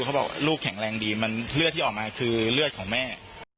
เขาบอกลูกแข็งแรงดีมันเลือดที่ออกมาคือเลือดของแม่